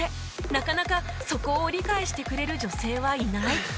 なかなかそこを理解してくれる女性はいない